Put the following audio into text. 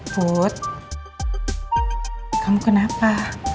put kamu kenapa